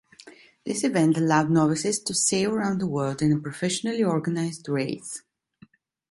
This event allowed novices to sail around the world in a professionally organised race.